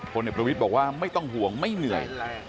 เด็กประวิทย์บอกว่าไม่ต้องห่วงไม่เหนื่อย